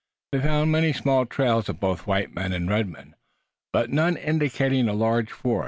They found many small trails of both white men and red men, but none indicating a large force.